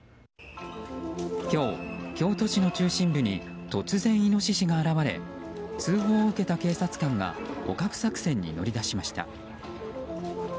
今日、京都市の中心部に突然イノシシが現れ通報を受けた警察官が捕獲作戦に乗り出しました。